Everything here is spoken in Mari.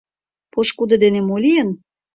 Пошкудо дене мо лийын?